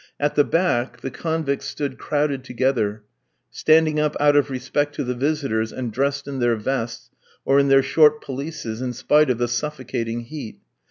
At the back the convicts stood crowded together; standing up out of respect to the visitors, and dressed in their vests, or in their short pelisses, in spite of the suffocating heat.